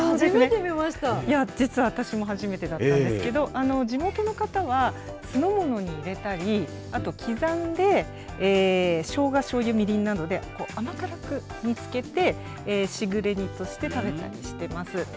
実は私も初めてだったんですけど、地元の方は、酢の物に入れたり、あと刻んでショウガ、しょうゆ、みりんなどで甘辛く煮つけて、しぐれ煮として食べたりしてます。